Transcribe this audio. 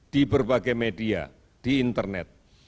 di berbagai media di internet